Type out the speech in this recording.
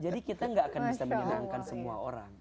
jadi kita gak akan bisa menyenangkan semua orang